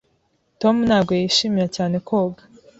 Tom ntabwo yishimira cyane koga.